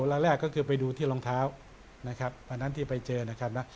แรกก็คือไปดูที่รองเท้านะครับอันนั้นที่ไปเจอนะครับนะ